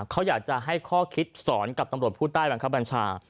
เขาอยากจะให้ข้อคิดสอนกับตำรวจผู้ใต้บังคับบัญชา